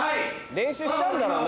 練習したんだろうな？